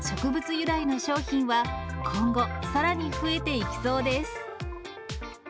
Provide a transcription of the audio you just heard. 由来の商品は今後、さらに増えていきそうです。